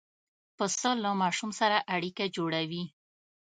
پسه له ماشوم سره اړیکه جوړوي.